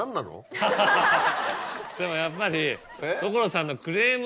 でもやっぱり。